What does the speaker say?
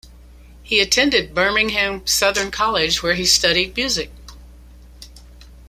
He attended Birmingham-Southern College where he studied music.